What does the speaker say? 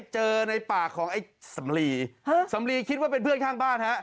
เจอในปากของไอ้สำลีสำลีคิดว่าเป็นเพื่อนข้างบ้านฮะ